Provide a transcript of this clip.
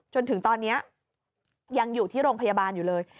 จนถึงตอนนี้ยังอยู่ที่โรงพยาบาลอยู่เลย